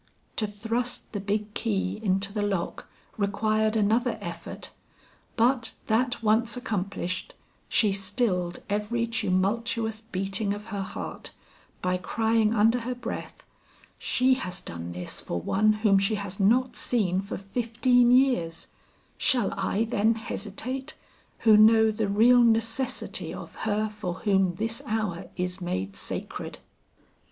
To thrust the big key into the lock required another effort, but that once accomplished, she stilled every tumultuous beating of her heart, by crying under her breath, "She has done this for one whom she has not seen for fifteen years; shall I then hesitate, who know the real necessity of her for whom this hour is made sacred?"